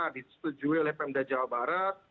disetujui oleh pemda jawa barat